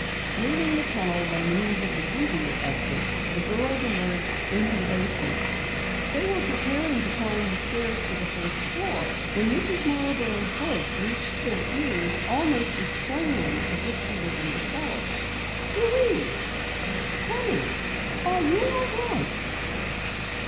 Leaving the tunnel by means of the easier exit, the girls emerged into the basement. They were preparing to climb the stairs to the first floor when Mrs. Marborough's voice reached their ears almost as plainly as if she were in the cellar. "Louise! Penny! Are you all right?"